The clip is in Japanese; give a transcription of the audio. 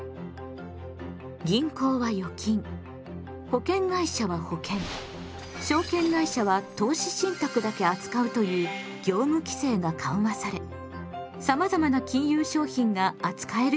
銀行は預金保険会社は保険証券会社は投資信託だけ扱うという業務規制が緩和されさまざまな金融商品が扱えるようになったのです。